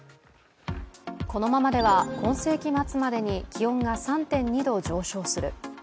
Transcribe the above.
このままでは今世紀末までに気温が３．２度上昇する。